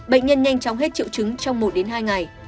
bệnh nhân nhanh chóng hết triệu chứng trong một hai ngày